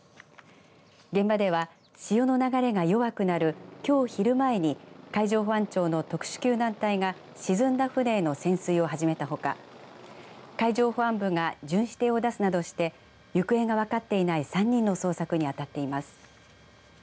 現場では潮の流れが弱くなるきょう昼前に海上保安庁の特殊救難隊が沈んだ船への潜水を始めたほか海上保安部が巡視艇を出すなどして行方が分かっていない３人の捜索にあたっています。